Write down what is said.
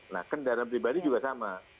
nah kendaraan pribadi juga sama